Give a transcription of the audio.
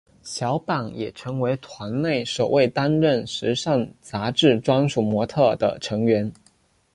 小坂也成为团内首位担任时尚杂志专属模特儿的成员。